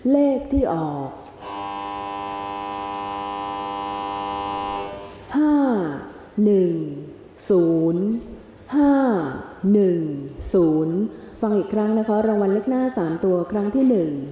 เลขที่ออก๕๑๐๕๑๐ฟังอีกครั้งนะคะรางวัลเลขหน้า๓ตัวครั้งที่๑